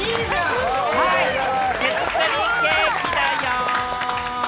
手作りケーキだよ。